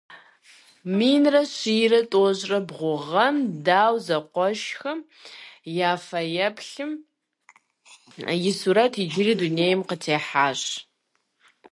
Минрэ щийрэ тӏощӏрэ бгъу гъэм Дау зэкъуэшхэм я фэеплъым и сурэт иджыри дунейм къытехьащ.